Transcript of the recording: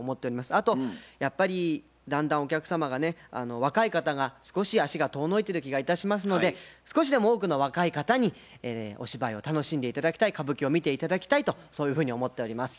あとやっぱりだんだんお客様がね若い方が少し足が遠のいてる気がいたしますので少しでも多くの若い方にお芝居を楽しんで頂きたい歌舞伎を見て頂きたいとそういうふうに思っております。